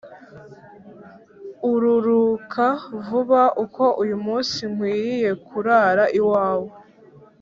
Ururuka Vuba Kuko Uyu Munsi Nkwiriye Kurara iwawe